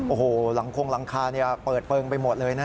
โอ้โหหลังคงหลังคาเปิดเปลืองไปหมดเลยนะ